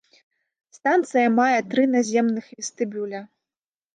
Станцыя мае тры наземных вестыбюля.